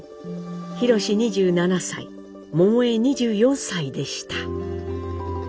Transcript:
宏２７歳桃枝２４歳でした。